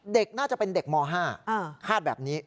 เด็กน่าจะเป็นเด็กม๕คาดแบบนี้